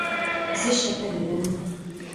زه شکره لرم.